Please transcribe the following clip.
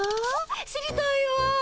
知りたいわ。